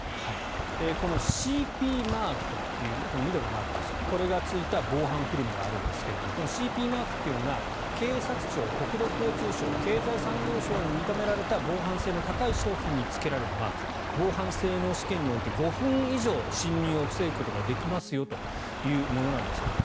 ＣＰマークというこの緑のマークですがこれがついた防犯フィルムがあるんですがこのＣＰマークというのが警察庁、国土交通省経済産業省に認められた防犯性の高い商品につけられるマーク。防犯性能試験において５分以上侵入を防ぐことができますよというものだそうです。